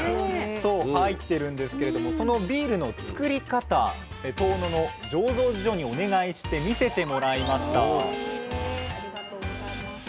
そう入ってるんですけれどもそのビールのつくり方遠野の醸造所にお願いして見せてもらいました。